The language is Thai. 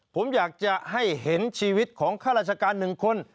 ผมอยากจะให้เห็นชีวิตของข้าราชการหนึ่งคน